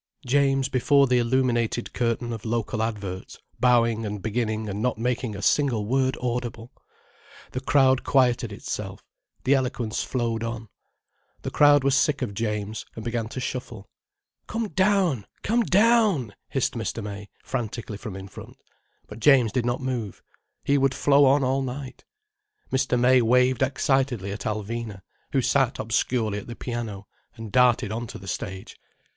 James before the illuminated curtain of local adverts, bowing and beginning and not making a single word audible! The crowd quieted itself, the eloquence flowed on. The crowd was sick of James, and began to shuffle. "Come down, come down!" hissed Mr. May frantically from in front. But James did not move. He would flow on all night. Mr. May waved excitedly at Alvina, who sat obscurely at the piano, and darted on to the stage.